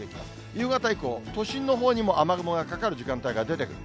夕方以降、都心のほうにも雨雲がかかる時間帯が出てくる。